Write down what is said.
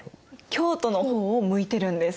京都の方を向いてるんです。